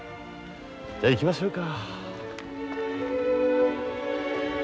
じゃあ行きましょうか。